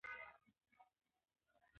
زده کړه د کورنۍ روغتیا تضمینوي۔